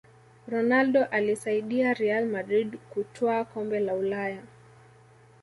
ronaldo aliisaidia real madrid kutwaa kombe la ulaya